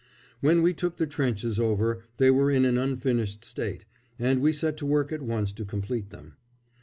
When we took the trenches over they were in an unfinished state, and we set to work at once to complete them.